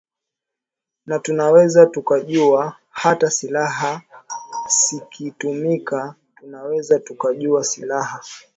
na tunaweza tukajua hata silaha sikitumika tunaweza tukajua silaha